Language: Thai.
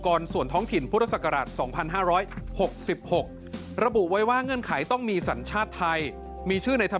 ส่วนท้องถิ่นพุทธศักราช๒๕๖๖ระบุไว้ว่าเงื่อนไขต้องมีสัญชาติไทยมีชื่อในธรรม